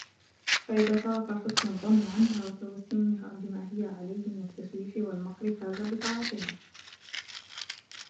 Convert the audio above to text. فَإِذَا صَرَفَ حُسْنَ الظَّنِّ عَنْهَا وَتَوَسَّمَهَا بِمَا هِيَ عَلَيْهِ مِنْ التَّسْوِيفِ وَالْمَكْرِ فَازَ بِطَاعَتِهَا